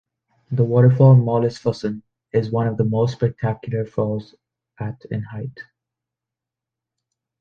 The waterfall "Mollisfossen" is one of the more spectacular falls at in height.